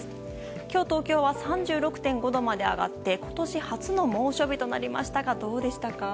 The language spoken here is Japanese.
今日、東京は３６．５度まで上がって今年初の猛暑日となりましたがどうでしたか？